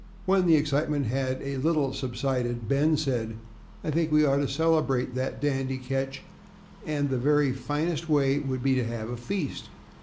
When the excitement had a little subsided, Ben said, "I think we ought to celebrate that dandy catch, and the very finest way would be to have a feast."